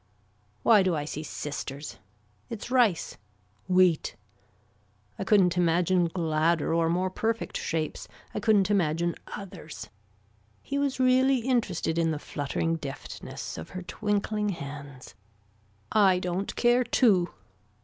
Why do I see sisters. It's rice. Wheat. I couldn't imagine gladder or more perfect shapes, I couldn't imagine others. He was really interested in the fluttering deftness of her twinkling hands. I don't care too.